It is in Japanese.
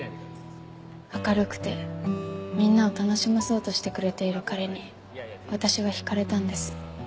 明るくてみんなを楽しまそうとしてくれている彼に私は引かれたんです。